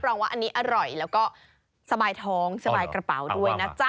รองว่าอันนี้อร่อยแล้วก็สบายท้องสบายกระเป๋าด้วยนะจ๊ะ